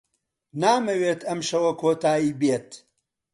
نامەوێت ئەم شەوە کۆتایی بێت.